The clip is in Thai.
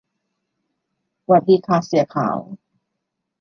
หวัดดีค่ะเสี่ยขาว